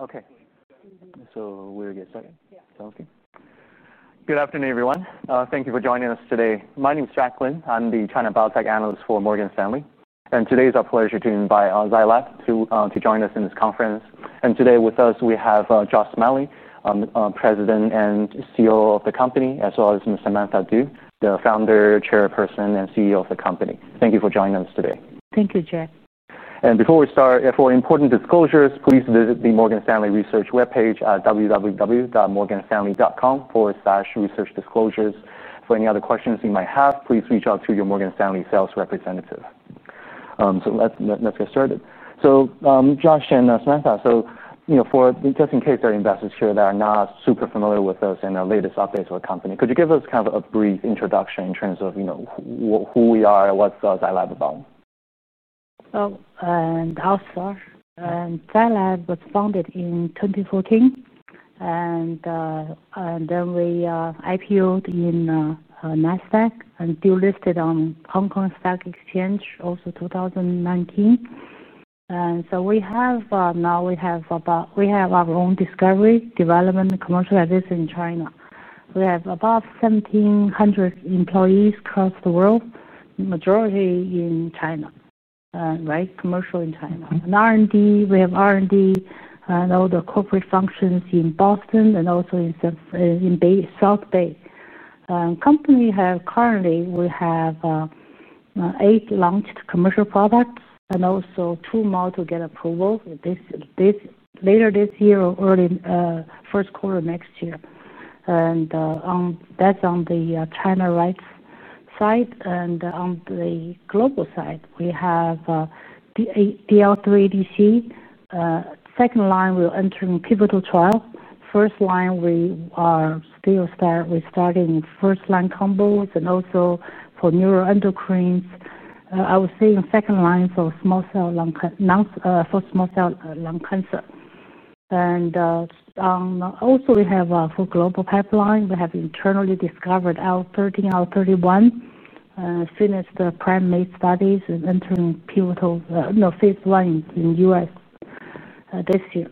Okay, so we're good. yeah. Okay Sounds good. Good afternoon, everyone. Thank you for joining us today. My name is Jack Lin. I'm the China Biotech Analyst for Morgan Stanley. Today it is a pleasure to invite Zai Lab Ki Chul Cho to join us in this conference. Today with us, we have Josh Smiley, President and CEO of the company, as well as Samantha Du, the Founder, Chairperson, and CEO of the company. Thank you for joining us today. Thank you, Jack. Before we start, for important disclosures, please visit the Morgan Stanley Research webpage at www.morganstanley.com/researchdisclosures. For any other questions you might have, please reach out to your Morgan Stanley sales representative. Let's get started. Josh and Samantha, just in case our investors here are not super familiar with us and the latest updates of our company, could you give us kind of a brief introduction in terms of who we are and what Zai Lab is about? Zai Lab was founded in 2014, and then we IPOed in NASDAQ and still listed on Hong Kong Stock Exchange also 2019. We have now, we have about, we have our own discovery, development, and commercial, at least in China. We have about 17 countries employees across the world, the majority in China, and right commercial in China. R&D, we have R&D and all the corporate functions in Boston and also in South Bay. The company has currently, we have eight launched commercial products and also two more to get approval later this year or early first quarter next year. That's on the China rights side. On the global side, we have DLL3 ADC, second line we're entering pivotal trial. First line, we are still starting with first line combos and also for neuroendocrines, I would say in second line for small cell lung cancer. Also we have for global pipeline, we have internally discovered [IL-13/31,] and finished the primate studies and entering pivotal, no, phase one in the U.S. this year.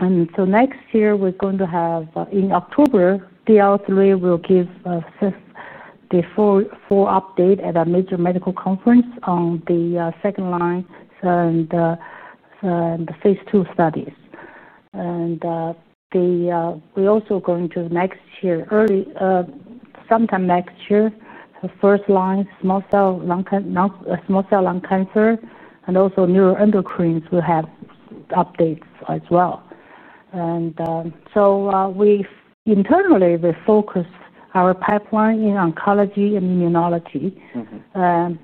Next year, we're going to have in October, DLL3 will give the full update at a major medical conference on the second line and the phase II studies. We're also going to next year, early sometime next year, the first line small cell lung cancer and also neuroendocrines, we have updates as well. We internally, we focus our pipeline in oncology and immunology.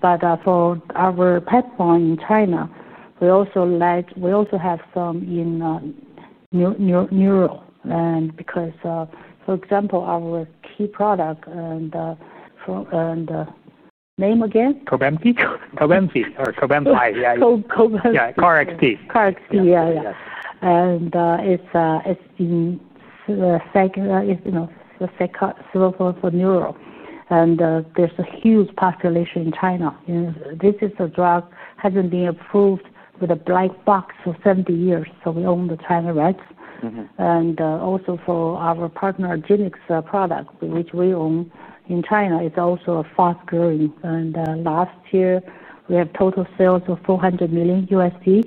For our pipeline in China, we also like, we also have some in neuro. For example, our key product and name again? [Cobenfy. Cobenfy.] Yeah. KarXT. Yeah. KarXT. KarXT. Yeah, yeah. And it's a single for neuro. There's a huge population in China. This is a drug that hasn't been approved with a black box for 70 years. We own the China rights. Also, for our partner Genix product, which we own in China, it's also fast growing. Last year, we had total sales of $400 million. We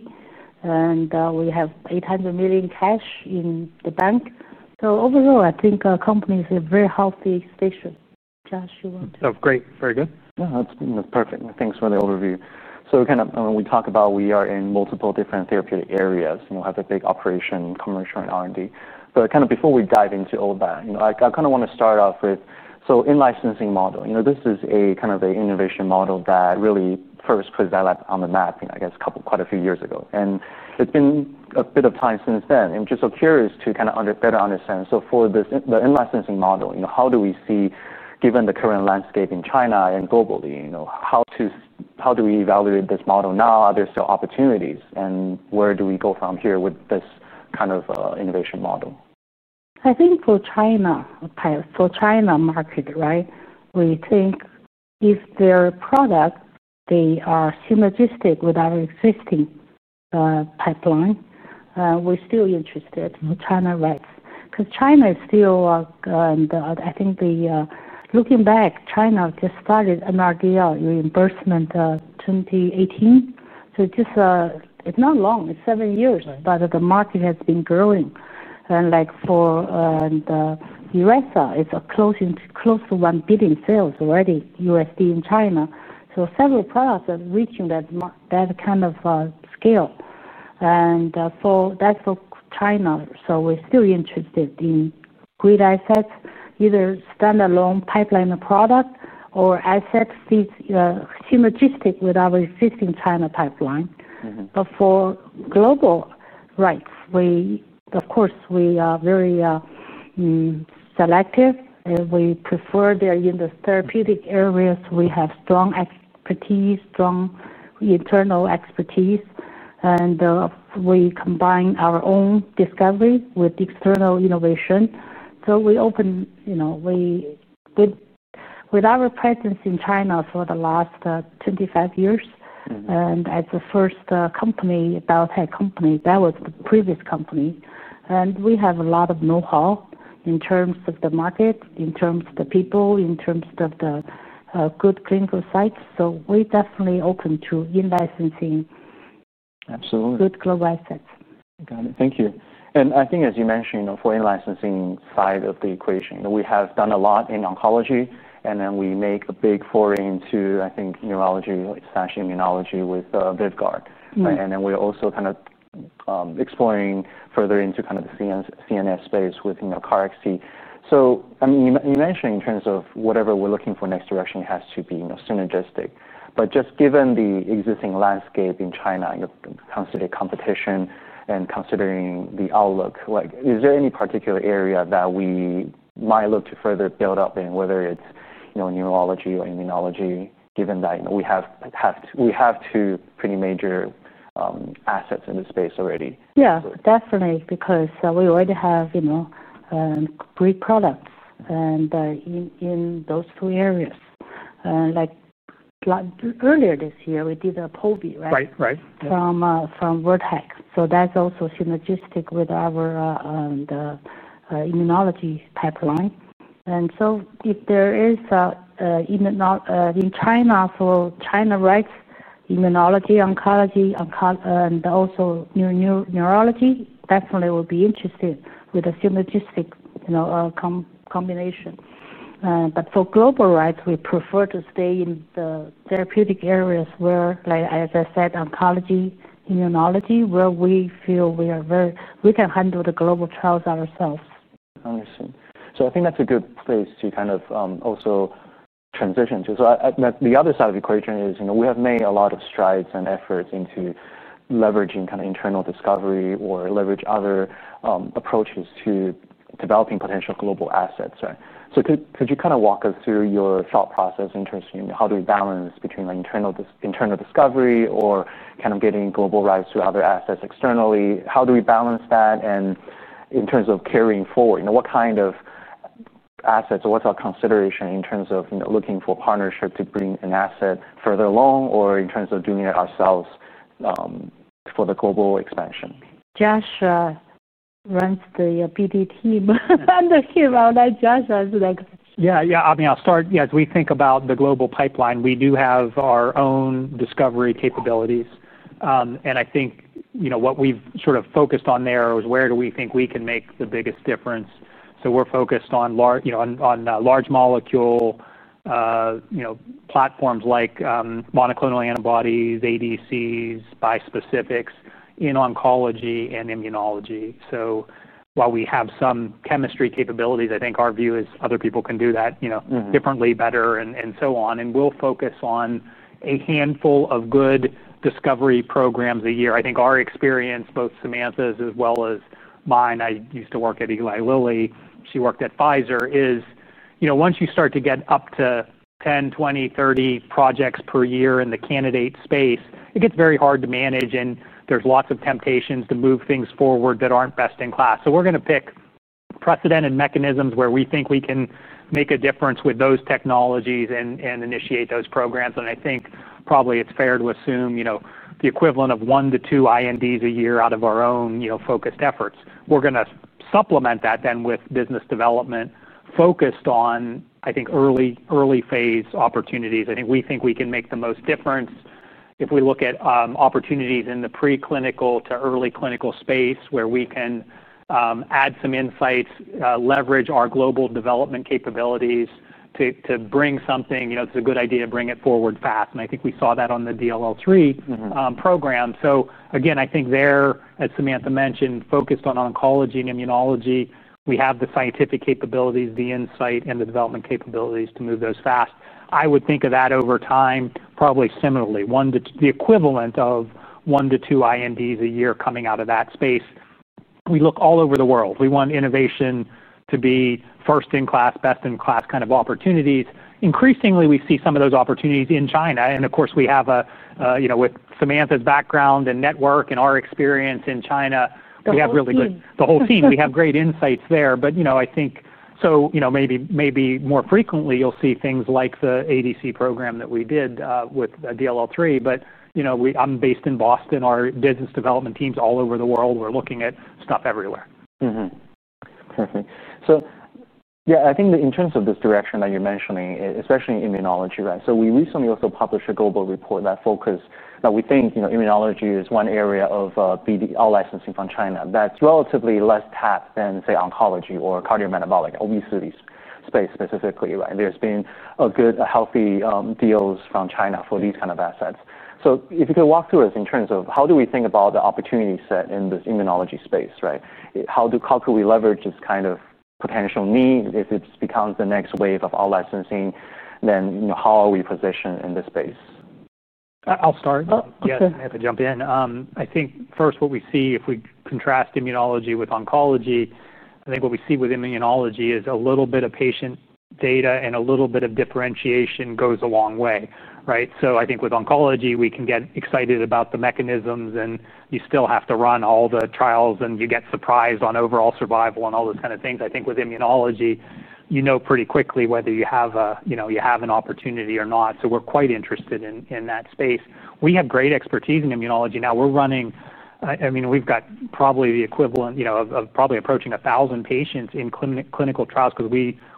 have $800 million cash in the bank. Overall, I think our company is a very healthy station. Josh, you want to? Oh, great. Very good. Yeah, that's perfect. Thanks for the overview. When we talk about we are in multiple different therapeutic areas, we have a big operation, commercial, and R&D. Before we dive into all that, I want to start off with, in-licensing model, this is a kind of an innovation model that really first put Zai Lab on the map, I guess, quite a few years ago. It's been a bit of time since then. I'm just so curious to better understand. For the in-licensing model, how do we see, given the current landscape in China and globally, how do we evaluate this model now? Are there still opportunities? Where do we go from here with this kind of innovation model? I think for China, for China market, right, we think if their product, they are synergistic with our existing pipeline, we're still interested in China rights. Because China is still, and I think looking back, China just started NRDL reimbursement in 2018. It's not long. It's seven years, but the market has been growing. Like for ERESA, it's close to $1 billion sales already USD in China. Several products are reaching that kind of scale. That's for China. We're still interested in great assets, either standalone pipeline product or assets synergistic with our existing China pipeline. For global rights, we, of course, we are very selective. We prefer they're in the therapeutic areas. We have strong expertise, strong internal expertise. We combine our own discovery with external innovation. We open, you know, we've been with our presence in China for the last 25 years. As the first company, biotech company, that was the previous company. We have a lot of know-how in terms of the market, in terms of the people, in terms of the good clinical sites. We're definitely open to in-licensing. Absolutely. Good global assets. Got it. Thank you. I think, as you mentioned, for in-licensing side of the equation, we have done a lot in oncology. We make a big foray into, I think, neurology/immunology with VYVGART. We're also kind of exploring further into kind of the CNS space with Cobenfy (KarXT). You mentioned in terms of whatever we're looking for next direction has to be synergistic. Just given the existing landscape in China, considering competition and considering the outlook, is there any particular area that we might look to further build up in, whether it's neurology or immunology, given that we have to have two pretty major assets in this space already? Yeah, definitely, because we already have, you know, great products in those three areas. Earlier this year, we did a POVI, right? Right, right. From Vertex. That's also synergistic with our immunology pipeline. If there is in China, for China rights, immunology, oncology, and also neurology, definitely will be interested with a synergistic combination. For global rights, we prefer to stay in the therapeutic areas where, like as I said, oncology, immunology, where we feel we are very, we can handle the global trials ourselves. I understand. I think that's a good place to kind of also transition to. The other side of the equation is, you know, we have made a lot of strides and efforts into leveraging kind of internal discovery or leverage other approaches to developing potential global assets. Could you kind of walk us through your thought process in terms of how do we balance between internal discovery or kind of getting global rights to other assets externally? How do we balance that? In terms of carrying forward, you know, what kind of assets or what's our consideration in terms of looking for partnership to bring an asset further along or in terms of doing it ourselves for the global expansion? Josh runs the PD team. I'm not sure about that. Josh has like. Yeah, yeah. I mean, I'll start. As we think about the global pipeline, we do have our own discovery capabilities. I think what we've sort of focused on there is where do we think we can make the biggest difference. We're focused on large molecule platforms like monoclonal antibodies, ADCs, bispecifics in oncology and immunology. While we have some chemistry capabilities, I think our view is other people can do that differently, better, and so on. We'll focus on a handful of good discovery programs a year. I think our experience, both Samantha's as well as mine, I used to work at Eli Lilly, she worked at Pfizer, is, once you start to get up to 10, 20, 30 projects per year in the candidate space, it gets very hard to manage. There's lots of temptations to move things forward that aren't best in class. We're going to pick precedent and mechanisms where we think we can make a difference with those technologies and initiate those programs. I think probably it's fair to assume the equivalent of one to two INDs a year out of our own focused efforts. We're going to supplement that then with business development focused on early phase opportunities. I think we think we can make the most difference if we look at opportunities in the preclinical to early clinical space where we can add some insights, leverage our global development capabilities to bring something, it's a good idea to bring it forward path. I think we saw that on the DLL3 program. Again, I think there, as Samantha mentioned, focused on oncology and immunology, we have the scientific capabilities, the insight, and the development capabilities to move those fast. I would think of that over time, probably similarly, one to the equivalent of one to two INDs a year coming out of that space. We look all over the world. We want innovation to be first in class, best in class kind of opportunities. Increasingly, we see some of those opportunities in China. Of course, we have a, with Samantha's background and network and our experience in China, we have really good, the whole team, we have great insights there. I think maybe more frequently you'll see things like the ADC program that we did with DLL3. I'm based in Boston. Our business development team's all over the world, we're looking at stuff everywhere. Perfect. Yeah, I think in terms of this direction that you're mentioning, especially immunology, right? We recently also published a global report that focused, that we think, you know, immunology is one area of our licensing from China that's relatively less tapped than, say, oncology or cardiometabolic obesity space specifically, right? There's been good, healthy deals from China for these kind of assets. If you could walk through this in terms of how do we think about the opportunity set in this immunology space, right? How could we leverage this kind of potential need if it becomes the next wave of our licensing? You know, how are we positioned in this space? I'll start. Yes. I have to jump in. I think first what we see, if we contrast immunology with oncology, I think what we see with immunology is a little bit of patient data and a little bit of differentiation goes a long way, right? I think with oncology, we can get excited about the mechanisms and you still have to run all the trials and you get surprised on overall survival and all those kind of things. I think with immunology, you know pretty quickly whether you have an opportunity or not. We're quite interested in that space. We have great expertise in immunology. Now we're running, I mean, we've got probably the equivalent, you know, of probably approaching 1,000 patients in clinical trials because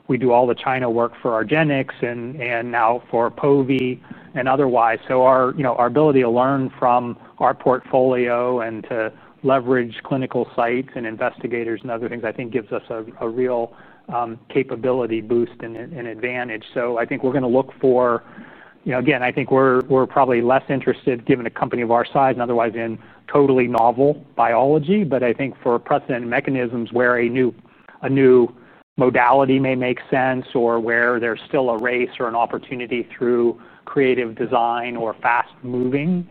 we do all the China work for our GenX and now for cI and otherwise. Our ability to learn from our portfolio and to leverage clinical sites and investigators and other things, I think gives us a real capability boost and advantage. I think we're going to look for, you know, again, I think we're probably less interested given a company of our size and otherwise in totally novel biology. I think for precedent and mechanisms where a new modality may make sense or where there's still a race or an opportunity through creative design or fast-moving,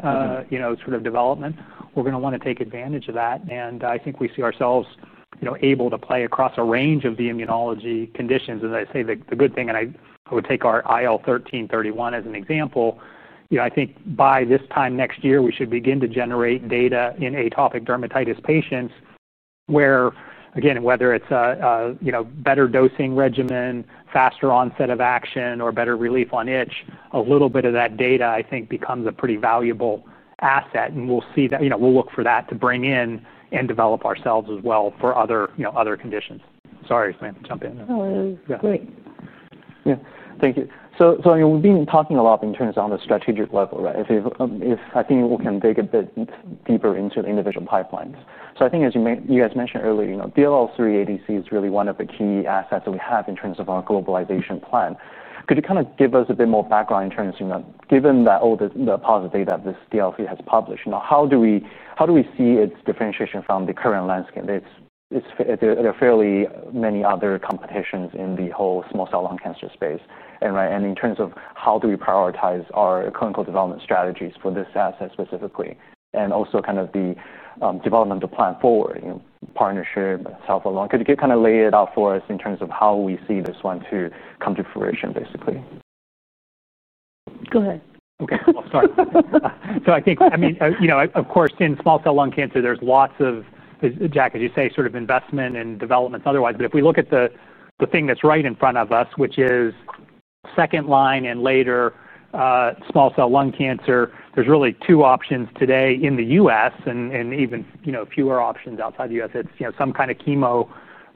you know, sort of development, we're going to want to take advantage of that. I think we see ourselves, you know, able to play across a range of the immunology conditions. As I say, the good thing, and I would take our IL-13/31 as an example, you know, I think by this time next year, we should begin to generate data in atopic dermatitis patients where, again, whether it's a, you know, better dosing regimen, faster onset of action, or better relief on itch, a little bit of that data, I think, becomes a pretty valuable asset. We'll see that, you know, we'll look for that to bring in and develop ourselves as well for other, you know, other conditions. Sorry, Samantha, jump in. Oh, great. Yeah, thank you. We've been talking a lot in terms of on a strategic level, right? If I think we can dig a bit deeper into the individual pipelines. I think, as you guys mentioned earlier, DLL3 ADC is really one of the key assets that we have in terms of our globalization plan. Could you kind of give us a bit more background in terms of, you know, given that all the positive data this DLL3 has published, how do we see its differentiation from the current landscape? There are fairly many other competitions in the whole small cell lung cancer space. In terms of how do we prioritize our clinical development strategies for this asset specifically, and also kind of the developmental plan forward, partnership, self-alone, could you kind of lay it out for us in terms of how we see this one to come to fruition, basically? Go ahead. Okay. I'll start. I think, I mean, you know, of course, in small cell lung cancer, there's lots of, as Jack, as you say, sort of investment and developments otherwise. If we look at the thing that's right in front of us, which is second line and later small cell lung cancer, there's really two options today in the U.S. and even, you know, fewer options outside the U.S. It's, you know, some kind of chemo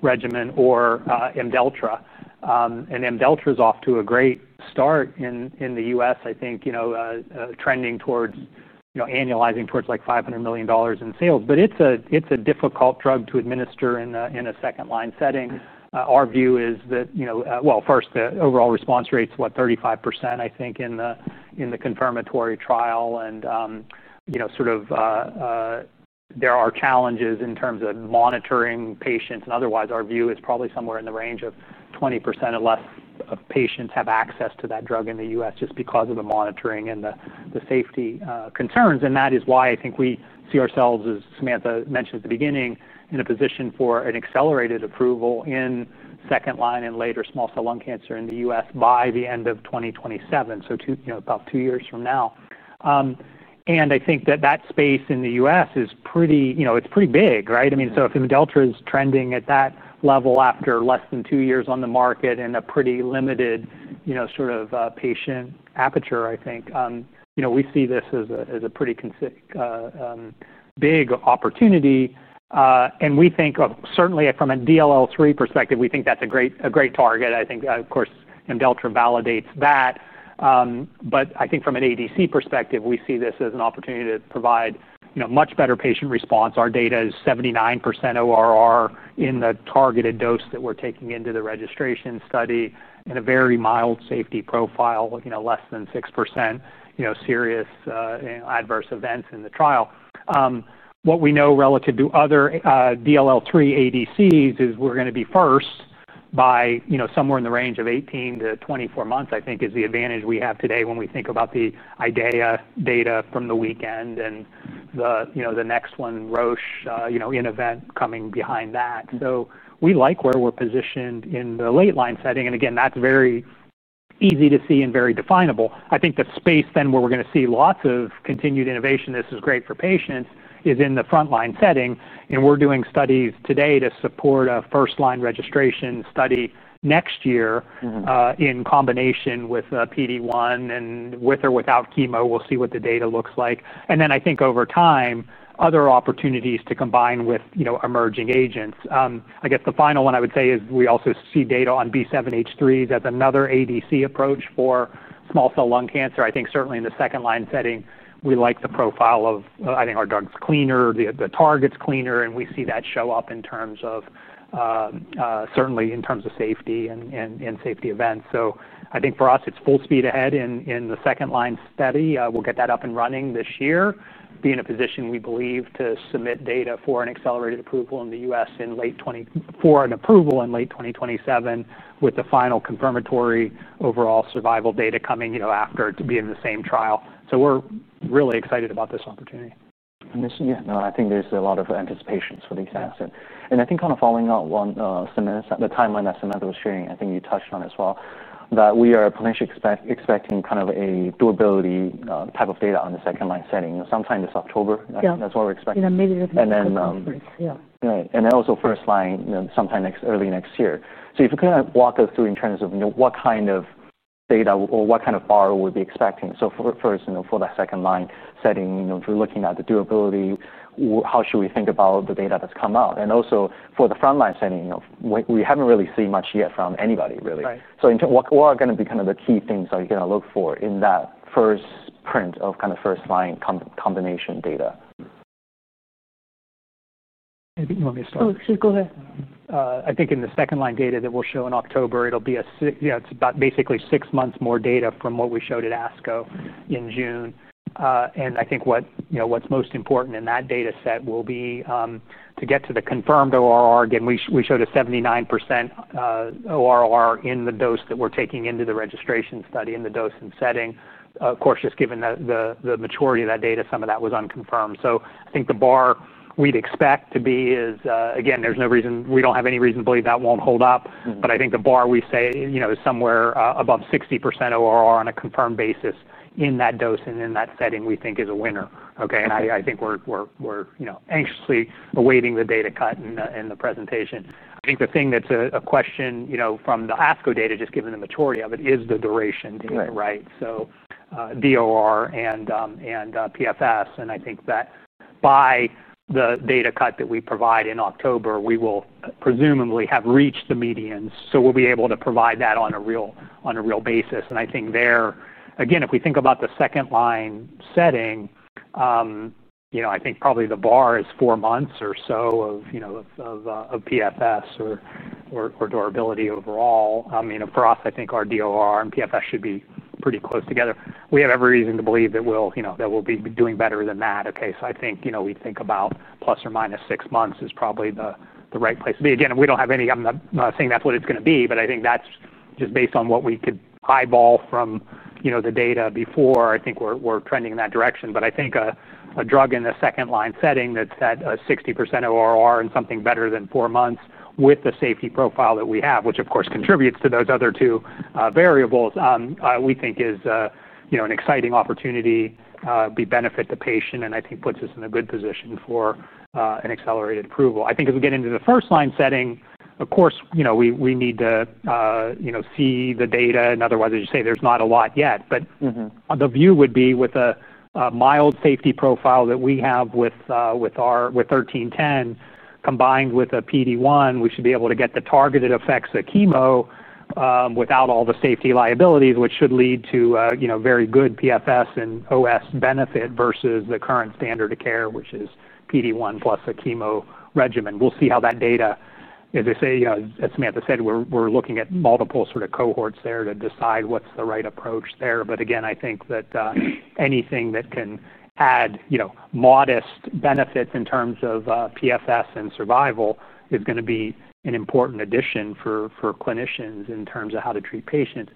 regimen or [tarlatamab]. Tarlatamab is off to a great start in the U.S., I think, you know, trending towards, you know, annualizing towards like $500 million in sales. It's a difficult drug to administer in a second line setting. Our view is that, you know, first, the overall response rate is what, 35%, I think, in the confirmatory trial. There are challenges in terms of monitoring patients and otherwise. Our view is probably somewhere in the range of 20% or less of patients have access to that drug in the U.S. just because of the monitoring and the safety concerns. That is why I think we see ourselves, as Samantha mentioned at the beginning, in a position for an accelerated approval in second line and later small cell lung cancer in the U.S. by the end of 2027, about two years from now. I think that that space in the U.S. is pretty, you know, it's pretty big, right? I mean, if tarlatamab is trending at that level after less than two years on the market in a pretty limited, you know, sort of patient aperture, I think, you know, we see this as a pretty big opportunity. We think, certainly from a DLL3 perspective, we think that's a great target. I think, of course, tarlatamab validates that. I think from an ADC perspective, we see this as an opportunity to provide, you know, much better patient response. Our data is 79% ORR in the targeted dose that we're taking into the registration study and a very mild safety profile, you know, less than 6% serious adverse events in the trial. What we know relative to other DLL3 ADCs is we're going to be first by, you know, somewhere in the range of 18 - 24 months, I think, is the advantage we have today when we think about the IDEA data from the weekend and the, you know, the next one, Roche, you know, in event coming behind that. We like where we're positioned in the late line setting. Again, that's very easy to see and very definable. I think the space where we're going to see lots of continued innovation, which is great for patients, is in the front line setting. We're doing studies today to support a first line registration study next year, in combination with PD-1 and with or without chemo. We'll see what the data looks like. Over time, there are other opportunities to combine with emerging agents. The final one I would say is we also see data on B7H3s as another ADC approach for small cell lung cancer. Certainly in the second line setting, we like the profile of our drug. I think our drug's cleaner, the target's cleaner, and we see that show up in terms of safety and safety events. For us, it's full speed ahead in the second line study. We'll get that up and running this year, be in a position we believe to submit data for an accelerated approval in the U.S. in late 2027, with the final confirmatory overall survival data coming after it to be in the same trial. We're really excited about this opportunity. Yeah, no, I think there's a lot of anticipations for these things. I think kind of following up on the timeline that Samantha was sharing, I think you touched on as well, that we are potentially expecting kind of a durability type of data on the second line setting. Sometime this October, that's what we're expecting. Yeah, mid-year. Right. Also, first line, sometime early next year. If you could kind of walk us through in terms of what kind of data or what kind of bar we'll be expecting. First, for that second line setting, if you're looking at the durability, how should we think about the data that's come out? Also, for the front line setting, we haven't really seen much yet from anybody really. What are going to be the key things that you're going to look for in that first print of first line combination data? Maybe you want me to start. Excuse me, go ahead. I think in the second line data that we'll show in October, it'll be a, you know, it's about basically six months more data from what we showed at ASCO in June. I think what's most important in that data set will be to get to the confirmed ORR. Again, we showed a 79% ORR in the dose that we're taking into the registration study in the dosing setting. Of course, just given the maturity of that data, some of that was unconfirmed. I think the bar we'd expect to be is, again, there's no reason, we don't have any reason to believe that won't hold up. I think the bar we say is somewhere above 60% ORR on a confirmed basis in that dose and in that setting, we think is a winner. I think we're anxiously awaiting the data cut and the presentation. I think the thing that's a question from the ASCO data, just given the maturity of it, is the duration data, right? So DOR and PFS. I think that by the data cut that we provide in October, we will presumably have reached the medians. We'll be able to provide that on a real basis. I think there, again, if we think about the second line setting, I think probably the bar is four months or so of PFS or durability overall. For us, I think our DOR and PFS should be pretty close together. We have every reason to believe that we'll be doing better than that. I think we think about plus or minus six months is probably the right place to be. Again, we don't have any, I'm not saying that's what it's going to be, but I think that's just based on what we could eyeball from the data before. I think we're trending in that direction. I think a drug in the second line setting that's at a 60% ORR and something better than four months with the safety profile that we have, which of course contributes to those other two variables, we think is an exciting opportunity to benefit the patient. I think it puts us in a good position for an accelerated approval. I think as we get into the first line setting, of course, we need to see the data. Otherwise, as you say, there's not a lot yet. The view would be with a mild safety profile that we have with our ZL-1310 combined with a PD-1, we should be able to get the targeted effects of chemo without all the safety liabilities, which should lead to very good PFS and OS benefit versus the current standard of care, which is PD-1 plus a chemo regimen. We will see how that data, as Samantha said, we're looking at multiple sort of cohorts there to decide what's the right approach there. I think that anything that can add modest benefits in terms of PFS and survival is going to be an important addition for clinicians in terms of how to treat patients.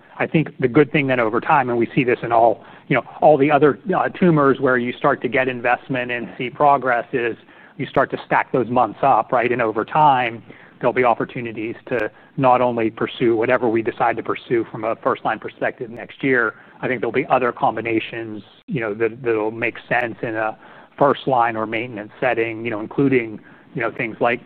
The good thing then over time, and we see this in all the other tumors where you start to get investment and see progress, is you start to stack those months up, right? Over time, there will be opportunities to not only pursue whatever we decide to pursue from a first line perspective next year. I think there will be other combinations that will make sense in a first line or maintenance setting, including things like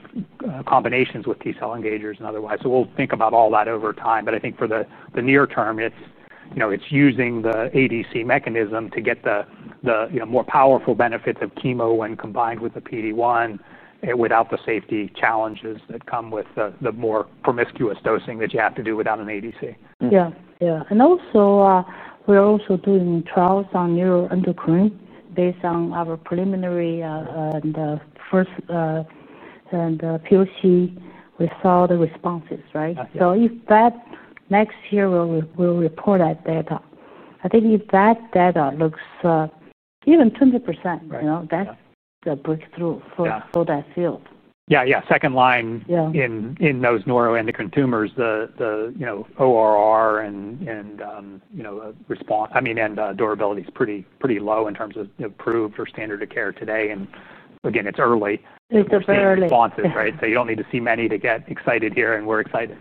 combinations with T-cell engagers and otherwise. We will think about all that over time. For the near term, it's using the ADC mechanism to get the more powerful benefits of chemo when combined with the PD-1 and without the safety challenges that come with the more promiscuous dosing that you have to do without an ADC. Yeah, yeah. We are also doing trials on neuroendocrine based on our preliminary and first and POC with solid responses, right? If that next year we'll report that data, I think if that data looks even 20%, you know, that's the breakthrough for that field. Yeah, yeah. Second line in those neuroendocrine tumors, the ORR and response, I mean, and durability is pretty, pretty low in terms of approved for standard of care today. It's early. It's very early. Responses, right? You don't need to see many to get excited here, and we're excited.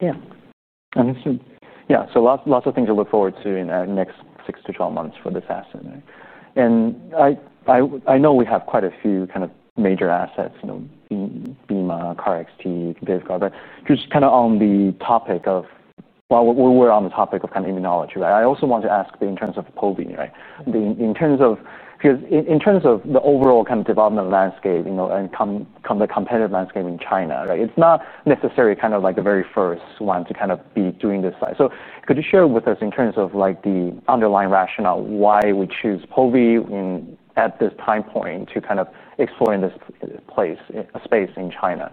Yeah. Yeah. Lots of things to look forward to in the next 6 to 12 months for this asset, right? I know we have quite a few kind of major assets, you know, bemarituzumab, KarXT, VYVGART, but just kind of on the topic of, while we're on the topic of kind of immunology, right? I also want to ask in terms of POVI, right? In terms of, because in terms of the overall kind of development landscape, you know, and the competitive landscape in China, right? It's not necessarily kind of like the very first one to kind of be doing this side. Could you share with us in terms of like the underlying rationale why we choose POVI at this time point to kind of explore in this space in China?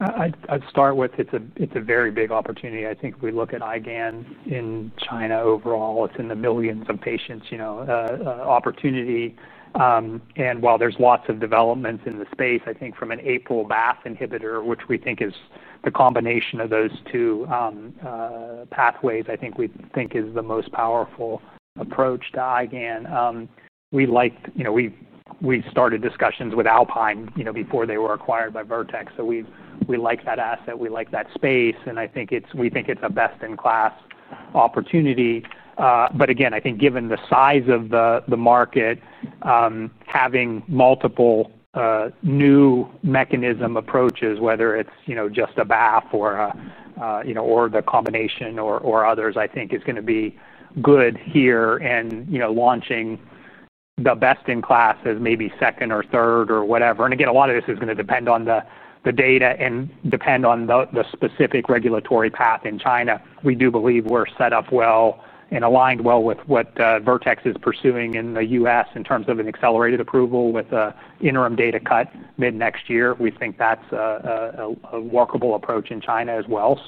I'd start with it's a very big opportunity. I think we look at IgAN in China overall. It's in the millions of patients, you know, opportunity. While there's lots of developments in the space, I think from an APOL1-BAF inhibitor, which we think is the combination of those two pathways, I think we think is the most powerful approach to[ IgAN nephropathy]. We like, you know, we've started discussions with Alpine, you know, before they were acquired by Vertex. We like that asset. We like that space. I think it's, we think it's a best-in-class opportunity. Again, I think given the size of the market, having multiple new mechanism approaches, whether it's, you know, just a BAF or, you know, or the combination or others, I think is going to be good here and, you know, launching the best-in-class as maybe second or third or whatever. A lot of this is going to depend on the data and depend on the specific regulatory path in China. We do believe we're set up well and aligned well with what Vertex is pursuing in the U.S. in terms of an accelerated approval with an interim data cut mid-next year. We think that's a workable approach in China as well.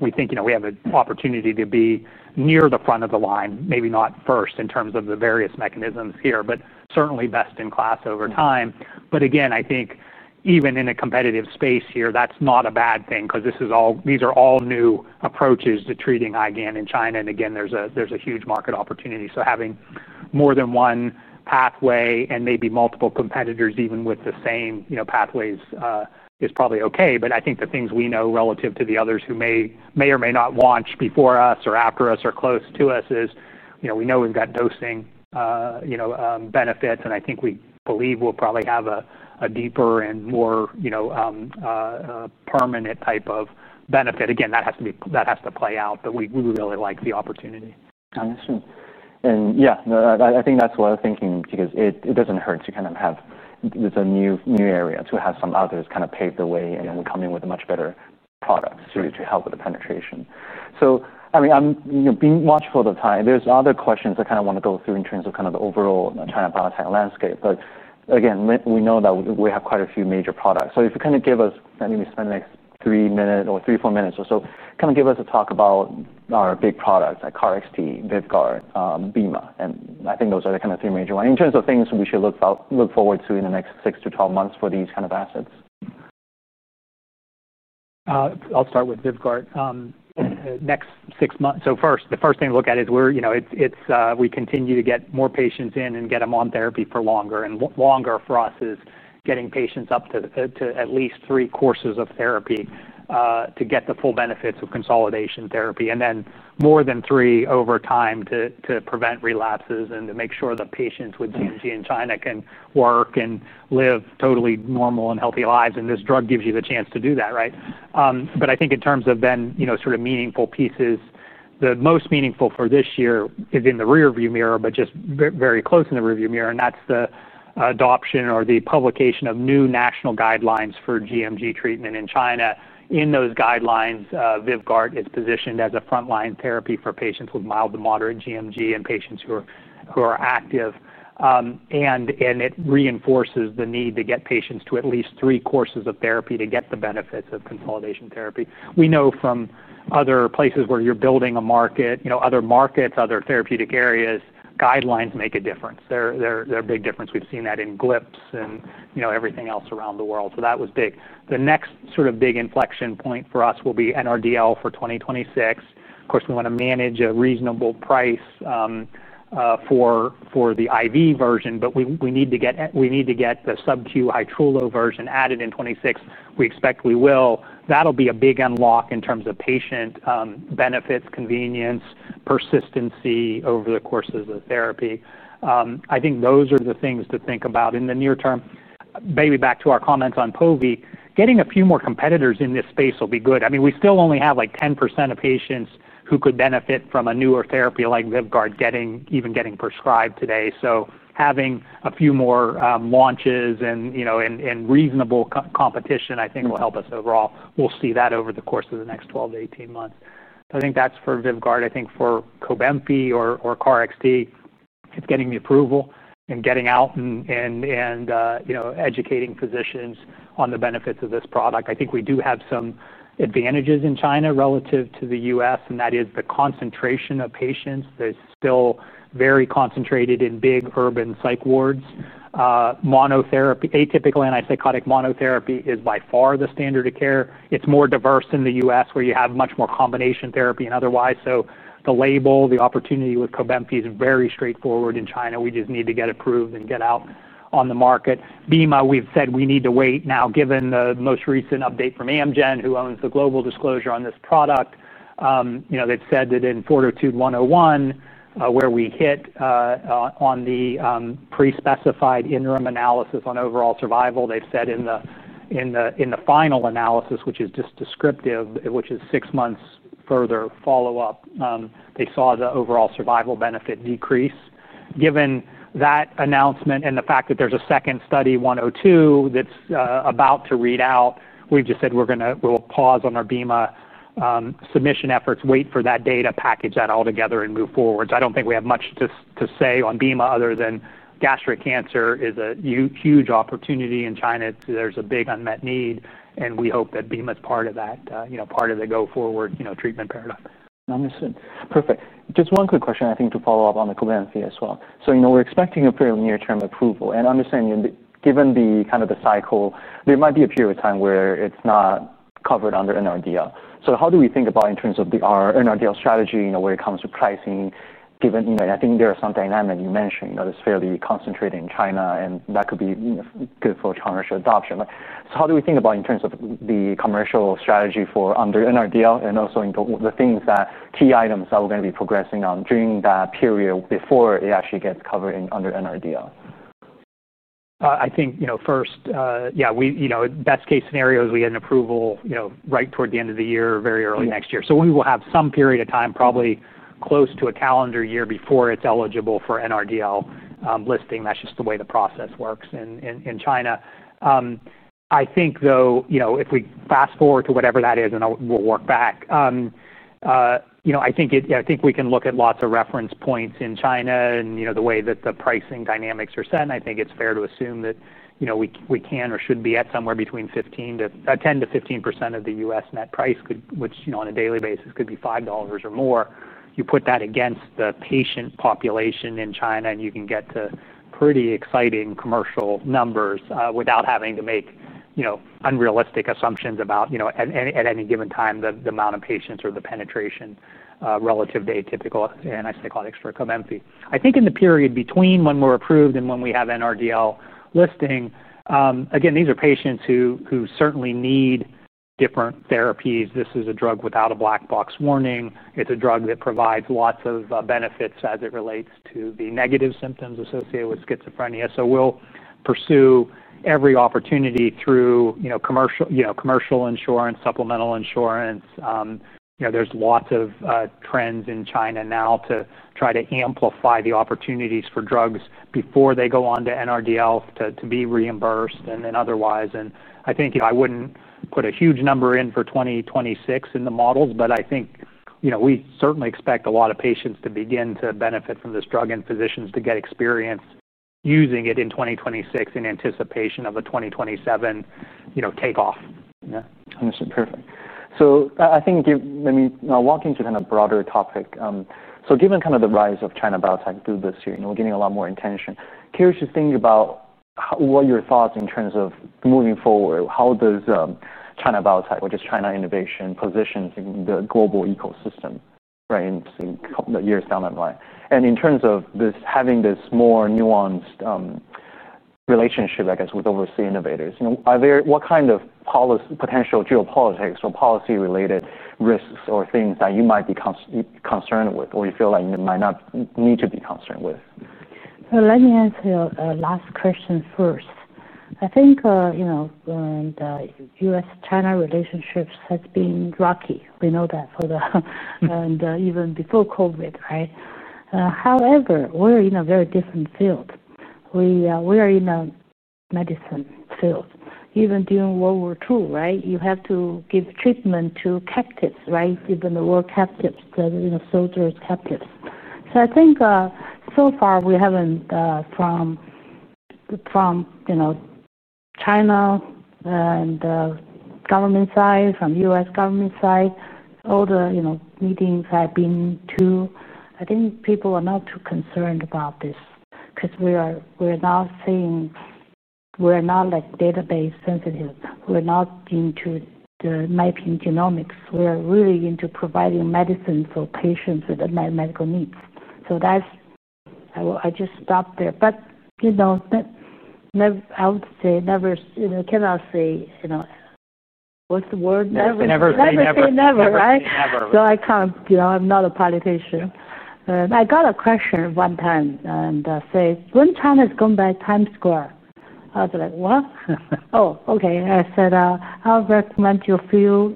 We think, you know, we have an opportunity to be near the front of the line, maybe not first in terms of the various mechanisms here, but certainly best-in-class over time. Even in a competitive space here, that's not a bad thing because these are all new approaches to treating IgAN nephropathy in China. There's a huge market opportunity. Having more than one pathway and maybe multiple competitors, even with the same, you know, pathways is probably okay. I think the things we know relative to the others who may or may not launch before us or after us or close to us is, you know, we know we've got dosing, you know, benefits. I think we believe we'll probably have a deeper and more, you know, permanent type of benefit. Again, that has to play out, but we really like the opportunity. I understand. Yeah, I think that's what I was thinking because it doesn't hurt to kind of have, it's a new area to have some others kind of pave the way and then come in with a much better product to help with the penetration. I mean, I'm being watchful of the time, there's other questions I kind of want to go through in terms of kind of the overall China biotech landscape. Again, we know that we have quite a few major products. If you kind of give us, maybe spend like three minutes or three, four minutes or so, kind of give us a talk about our big products like KarXT, VYVGART, bemarituzumab. I think those are the kind of three major ones in terms of things we should look forward to in the next 6 to 12 months for these kind of assets. I'll start with VYVGART. In the next six months, the first thing to look at is we continue to get more patients in and get them on therapy for longer. Longer for us is getting patients up to at least three courses of therapy to get the full benefits of consolidation therapy, and then more than three over time to prevent relapses and to make sure the patients with GMG in China can work and live totally normal and healthy lives. This drug gives you the chance to do that, right? I think in terms of meaningful pieces, the most meaningful for this year is in the rearview mirror, but just very close in the rearview mirror. That's the adoption or the publication of new national guidelines for GMG treatment in China. In those guidelines, VYVGART is positioned as a frontline therapy for patients with mild to moderate GMG and patients who are active. It reinforces the need to get patients to at least three courses of therapy to get the benefits of consolidation therapy. We know from other places where you're building a market, other markets, other therapeutic areas, guidelines make a difference. They make a big difference. We've seen that in GLIPS and everything else around the world. That was big. The next big inflection point for us will be NRDL for 2026. Of course, we want to manage a reasonable price for the IV version, but we need to get the sub-Q Hytrulo version added in 2026. We expect we will. That'll be a big unlock in terms of patient benefits, convenience, persistency over the course of the therapy. I think those are the things to think about in the near term. Maybe back to our comments on POVI, getting a few more competitors in this space will be good. We still only have like 10% of patients who could benefit from a newer therapy like VYVGART even getting prescribed today. Having a few more launches and reasonable competition, I think will help us overall. We'll see that over the course of the next 12 to 18 months. I think that's for VYVGART. I think for Cobenfy or KarXT, it's getting the approval and getting out and educating physicians on the benefits of this product. I think we do have some advantages in China relative to the U.S., and that is the concentration of patients that is still very concentrated in big urban psych wards. Monotherapy, atypical antipsychotic monotherapy is by far the standard of care. It's more diverse in the U.S. where you have much more combination therapy and otherwise. The label, the opportunity with Cobenfy is very straightforward in China. We just need to get approved and get out on the market. BEMA, we've said we need to wait now given the most recent update from Amgen, who owns the global disclosure on this product. They've said that in 402-101, where we hit on the pre-specified interim analysis on overall survival, they've said in the final analysis, which is just descriptive, which is six months further follow-up, they saw the overall survival benefit decrease. Given that announcement and the fact that there's a second study 102 that's about to read out, we've just said we're going to pause on our BEMA submission efforts, wait for that data, package that all together, and move forward. I don't think we have much to say on BEMA other than gastric cancer is a huge opportunity in China. There's a big unmet need, and we hope that BEMA is part of that, part of the go-forward treatment paradigm. I understand. Perfect. Just one quick question, I think, to follow up on the Cobenfy as well. We're expecting a fairly near-term approval. I understand, given the kind of the cycle, there might be a period of time where it's not covered under NRDL. How do we think about in terms of our NRDL strategy when it comes to pricing? Given, I think there are some dynamics you mentioned that's fairly concentrated in China, and that could be good for commercial adoption. How do we think about in terms of the commercial strategy for under NRDL and also the key items that we're going to be progressing on during that period before it actually gets covered under NRDL? I think, you know, first, yeah, we, you know, best case scenario is we get an approval, you know, right toward the end of the year, very early next year. We will have some period of time, probably close to a calendar year before it's eligible for NRDL listing. That's just the way the process works in China. I think, though, if we fast forward to whatever that is, and we'll work back, I think we can look at lots of reference points in China and the way that the pricing dynamics are set. I think it's fair to assume that we can or should be at somewhere between 10% to 15% of the U.S. net price, which, on a daily basis, could be $5 or more. You put that against the patient population in China, and you can get to pretty exciting commercial numbers without having to make unrealistic assumptions about, at any given time, the amount of patients or the penetration relative to atypical antipsychotics for Cobenfy. I think in the period between when we're approved and when we have NRDL listing, again, these are patients who certainly need different therapies. This is a drug without a black box warning. It's a drug that provides lots of benefits as it relates to the negative symptoms associated with schizophrenia. We'll pursue every opportunity through commercial insurance, supplemental insurance. There are lots of trends in China now to try to amplify the opportunities for drugs before they go on to NRDL to be reimbursed and then otherwise. I think I wouldn't put a huge number in for 2026 in the models, but we certainly expect a lot of patients to begin to benefit from this drug and physicians to get experience using it in 2026 in anticipation of a 2027 takeoff. Yeah, I understand. Perfect. I think let me now walk into kind of a broader topic. Given kind of the rise of China Biotech Group this year, you know, we're getting a lot more attention. Curious just thinking about what your thoughts in terms of moving forward, how does China Biotech or just China Innovation position the global ecosystem, right, in the years down that line? In terms of this having this more nuanced relationship, I guess, with overseas innovators, you know, are there what kind of potential geopolitics or policy-related risks or things that you might be concerned with or you feel like you might not need to be concerned with? Let me answer your last question first. I think, you know, the U.S.-China relationships have been rocky. We know that, and even before COVID, right? However, we're in a very different field. We are in a medicine field. Even during World War II, you have to give treatment to captives, right? Even the war captives, the soldiers captives. I think so far we haven't, from China and the government side, from the U.S. government side, all the meetings have been to, I think people are not too concerned about this because we're not like database sensitive. We're not into the genomics. We are really into providing medicine for patients with medical needs. That's, I will just stop there. I would say never, you know, cannot say, you know, what's the word? Never. I would say never, right? I can't, you know, I'm not a politician. I got a question one time and said, when China is going back to Times Square, I was like, what? Oh, okay. I said, I recommend you feel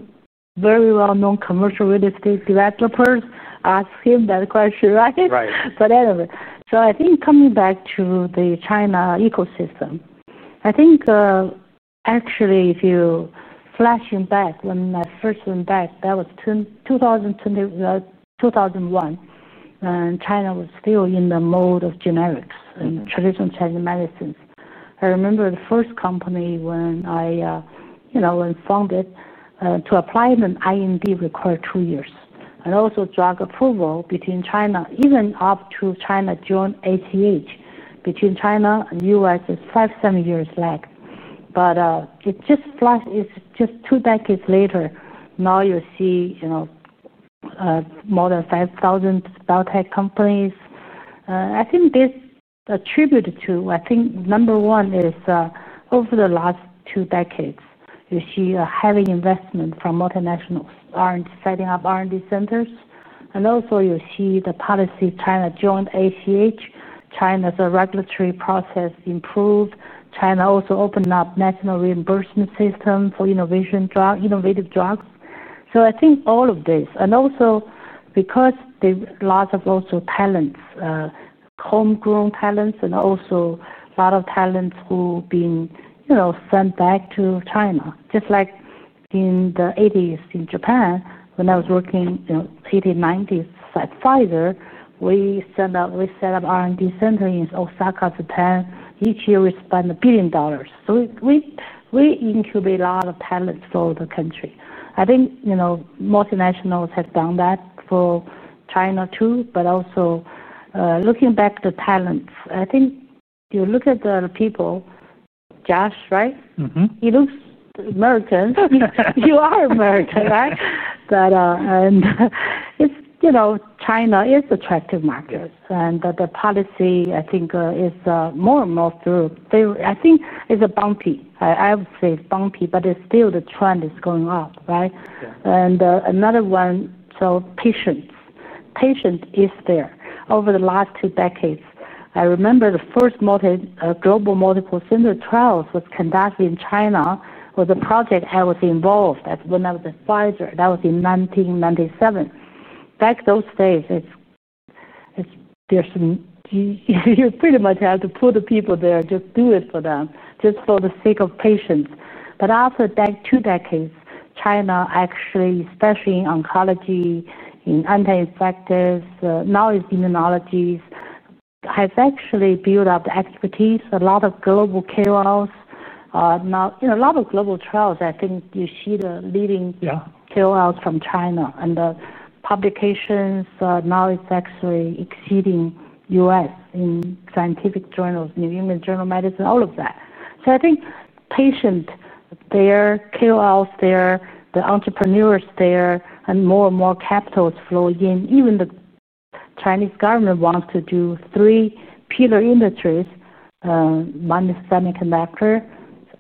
very well-known commercial real estate developers ask him that question, right? Right. Anyway, coming back to the China ecosystem, actually, if you flash back to when I first went back, that was 2001, and China was still in the mode of generics and traditional Chinese medicines. I remember the first company when I founded to apply in an IND required two years. Also, drug approval between China, even up to China during 1988, between China and the U.S., had a five to seven year lag. It just flashed, it's just two decades later. Now you see more than 5,000 biotech companies. I think this is attributed to, number one, over the last two decades, you see a heavy investment from multinationals setting up R&D centers. Also, you see the policy, China joined ICH. China's regulatory process improved. China also opened up the national reimbursement system for innovative drugs. All of this, and also because there's lots of talents, homegrown talents, and also a lot of talents who have been sent back to China. Just like in the 1980s in Japan, when I was working in the 1980s and 1990s at Pfizer, we set up an R&D center in Osaka, Japan. Each year we spent $1 billion. We incubated a lot of talents for the country. Multinationals have done that for China too, but also looking back to talents, you look at the people, Josh, right? He looks American. You are American, right? China is an attractive market. The policy is more and more through, I think it's a bounty. I would say it's bounty, but still the trend is going up, right? Another one, patience. Patience is there. Over the last two decades, I remember the first global multiple center trials were conducted in China with a project I was involved in when I was at Pfizer. That was in 1997. Back those days, you pretty much had to put the people there, just do it for them, just for the sake of patience. After that two decades, China actually, especially in oncology, in anti-infectious, now it's immunology, has actually built up the expertise, a lot of global KOLs. Now, a lot of global trials, you see the leading KOLs from China. The publications now are actually exceeding the U.S. in scientific journals, New England Journal of Medicine, all of that. Patients, KOLs, entrepreneurs, and more and more capital flow in. Even the Chinese government wants to do three pillar industries: one is semiconductor,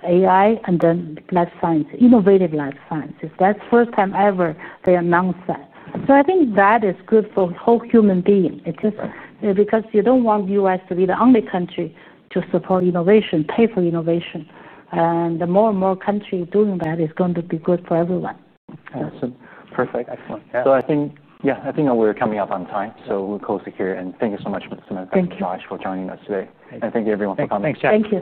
AI, and then life science, innovative life sciences. That's the first time ever they announced that. I think that is good for the whole human being. You don't want the U.S. to be the only country to support innovation, pay for innovation. The more and more countries doing that is going to be good for everyone. Awesome. Perfect. Excellent. I think we're coming up on time. We're closing here. Thank you so much, Samantha, Josh, for joining us today. Thank you everyone for coming. Thanks, Jackie.